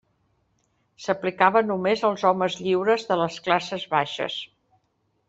S'aplicava només als homes lliures de les classes baixes.